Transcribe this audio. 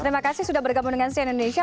terima kasih sudah bergabung dengan cn indonesia